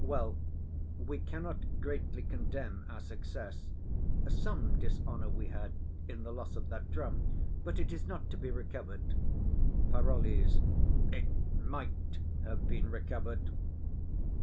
Well, we cannot greatly condemn our success: some dishonour we had in the loss of that drum, but it is not to be recovered. PAROLLES. It might have been recovered.